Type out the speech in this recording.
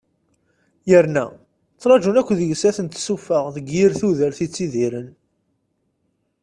Yerna ttrajun akk deg-s ad ten-tessuffeɣ deg yir tudert i ttidiren.